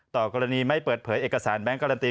ต่อกรณีไม่เปิดเผยเอกสารแบงค์การันตี